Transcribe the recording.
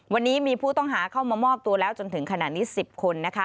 วันนี้มีผู้ต้องหาเข้ามามอบตัวแล้วจนถึงขนาดนี้๑๐คน